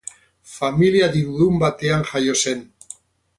Familia dirudun batean jaio zen.